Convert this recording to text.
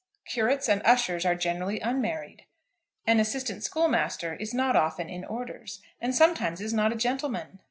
Curates and ushers are generally unmarried. An assistant schoolmaster is not often in orders, and sometimes is not a gentleman.